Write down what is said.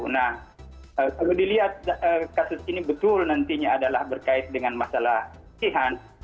nah kalau dilihat kasus ini betul nantinya adalah berkait dengan masalah sihan